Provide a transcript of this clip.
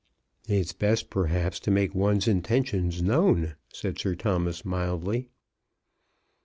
"It's best perhaps to make one's intentions known," said Sir Thomas mildly.